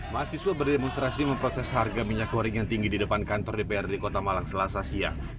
mahasiswa berdemonstrasi memproses harga minyak goreng yang tinggi di depan kantor dprd kota malang selasa siang